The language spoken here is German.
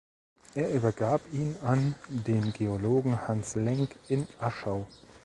Er übergab ihn an den Geologen Hans Lenk in Aschau.